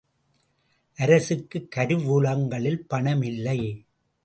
அரசுக் கருவூலங்களில் பணம் இல்லை.